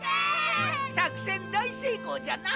作戦大せいこうじゃな。